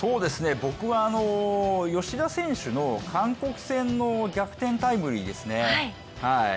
僕は吉田選手の韓国戦の逆転タイムリーですね。